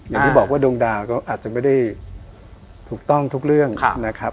อย่างที่บอกว่าดวงดาวก็อาจจะไม่ได้ถูกต้องทุกเรื่องนะครับ